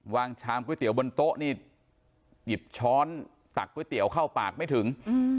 ชามก๋วยเตี๋ยวบนโต๊ะนี่หยิบช้อนตักก๋วยเตี๋ยวเข้าปากไม่ถึง